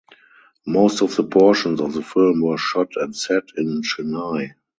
Most of the portions of the film were shot and set in Chennai.